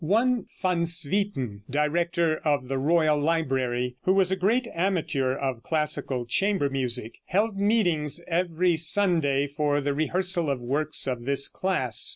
One Van Swieten, director of the royal library, who was a great amateur of classical chamber music, held meetings every Sunday for the rehearsal of works of this class.